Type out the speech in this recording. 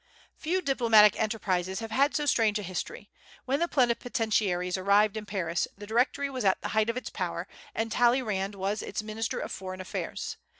Few diplomatic enterprises have had so strange a history. When the plenipotentiaries arrived in Paris, the Directory was at the height of its power, and Talleyrand was its minister of foreign affairs.